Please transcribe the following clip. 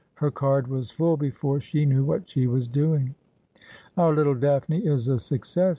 Her card was full before she knew what she was doing. ' Our little Daphne is a success